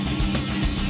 terima kasih chandra